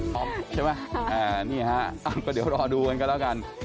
พร้อมใช่ไหมนี่ฮะก็เดี๋ยวรอดูกันแล้วกัน